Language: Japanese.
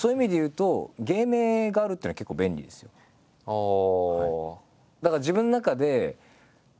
ああ。